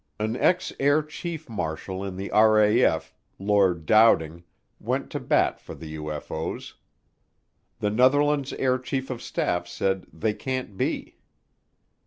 An ex Air Chief Marshal in the RAF, Lord Dowding, went to bat for the UFO's. The Netherlands Air Chief of Staff said they can't be.